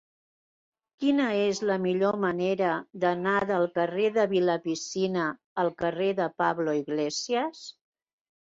Quina és la millor manera d'anar del carrer de Vilapicina al carrer de Pablo Iglesias?